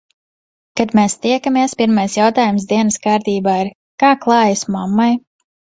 Kad mēs tiekamies, pirmais jautājums dienas kārtībā ir - kā klājas mammai?